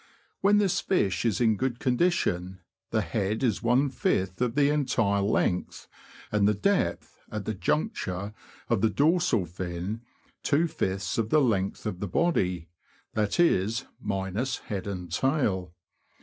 When this fish is in good condition, the head is one fifth of the entire length, and the depth, at the juncture of the dorsal fin, two fifths of the length of the body (that is, minus head and tail).